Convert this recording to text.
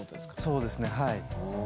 そうですねはい。